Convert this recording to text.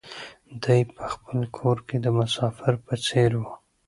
دی په خپل کور کې د مسافر په څېر و.